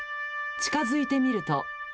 近づいてみると。